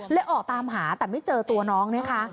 ออกตามหาแต่ไม่เจอตัวน้องนะคะ